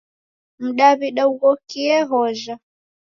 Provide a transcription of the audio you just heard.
Mdaw'ida ughokie hojha.